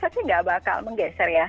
saya rasa sih enggak bakal menggeser ya